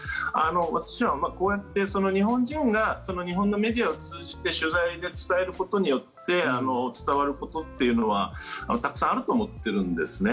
私はこうやって日本人が日本のメディアを通じて取材で伝えることによって伝わることというのはたくさんあると思っているんですね。